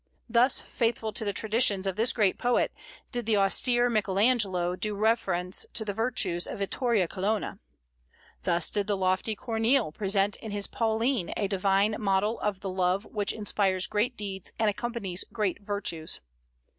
Thus faithful to the traditions of this great poet did the austere Michael Angelo do reverence to the virtues of Vittoria Colonna. Thus did the lofty Corneille present in his Pauline a divine model of the love which inspires great deeds and accompanies great virtues.